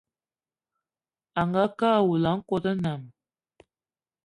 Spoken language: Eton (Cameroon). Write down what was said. Angakë awula a nkòt nnam